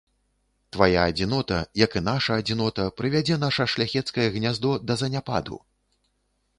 Твая адзінота, як і наша адзінота, прывядзе наша шляхецкае гняздо да заняпаду.